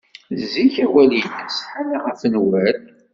Zik awal-ines ḥala ɣef nnwal.